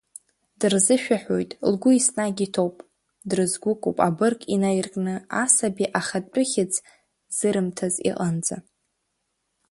Дырзышәаҳәоит, лгәы еснагь иҭоуп, дрызгәыкуп абырг инаиркны асаби ахатәыхьӡ зырымҭаз иҟынӡа.